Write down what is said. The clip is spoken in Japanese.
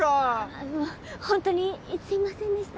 あの本当にすいませんでした。